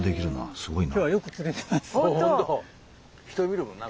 すごいな。